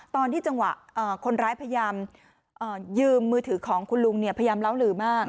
จังหวะคนร้ายพยายามยืมมือถือของคุณลุงพยายามเล้าหลือมาก